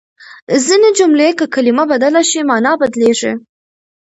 ځينې جملې که کلمه بدله شي، مانا بدلېږي.